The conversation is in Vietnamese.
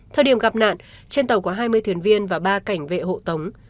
thời điểm gặp nạn trên tàu có hai mươi thuyền viên và ba cảnh vệ hộ tống